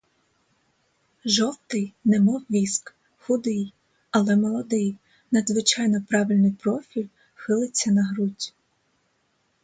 Жовтий, немов віск, худий, але молодий, надзвичайно правильний профіль хилиться на грудь.